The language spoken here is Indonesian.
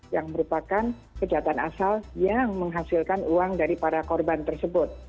yang merupakan kejahatan asal yang menghasilkan uang dari para korban tersebut